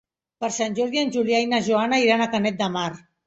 Per Sant Jordi en Julià i na Joana iran a Canet de Mar.